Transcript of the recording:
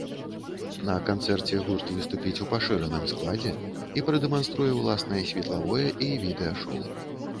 На канцэрце гурт выступіць у пашыраным складзе і прадэманструе ўласнае светлавое і відэашоў.